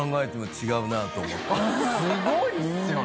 すごいっすよね。